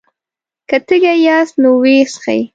که تږي ياست نو ويې څښئ!